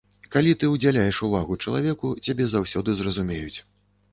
Калі ты ўдзяляеш увагу чалавеку, цябе заўсёды зразумеюць.